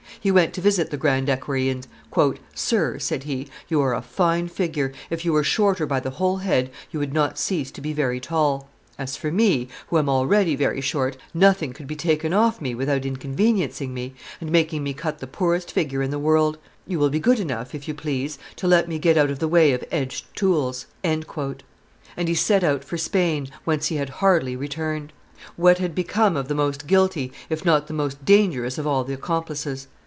He went to visit the grand equerry, and, "Sir," said he, "you are a fine figure; if you were shorter by the whole head, you would not cease to be very tall; as for me, who am already very short, nothing could be taken off me without inconveniencing me and making me cut the poorest figure in the world; you will be good enough, if you please, to let me get out of the way of edged tools." And he set out for Spain, whence he had hardly returned. What had become of the most guilty, if not the most dangerous, of all the accomplices?